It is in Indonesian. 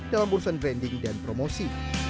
dalam urusan branding dan promosi